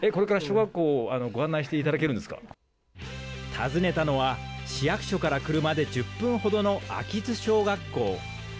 訪ねたのは市役所から車で１０分ほどの秋津小学校。